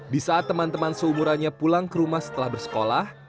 di saat teman teman seumurannya pulang ke rumah setelah bersekolah